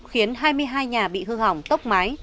khiến hai mươi hai nhà bị hư hỏng tốc mái